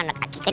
pak ani be